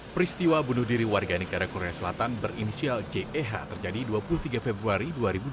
peristiwa bunuh diri warga negara korea selatan berinisial jeh terjadi dua puluh tiga februari dua ribu dua puluh